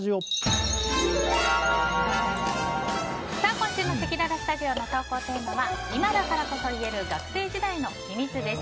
今週のせきららスタジオの投稿テーマは今だからこそ言える学生時代の秘密！です。